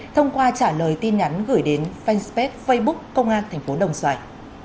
thông qua trả lời tin nhắn gửi đến fanpage facebook công an thành phố đồng xoài